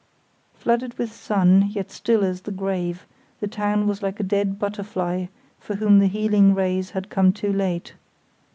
Flooded with sun, yet still as the grave, the town was like a dead butterfly for whom the healing rays had come too late.